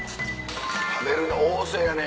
食べるね旺盛やね。